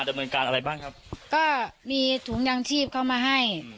ดำเนินการอะไรบ้างครับก็มีถุงยางชีพเข้ามาให้